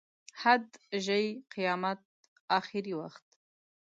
حد، ژۍ، قیامت، اخري وخت.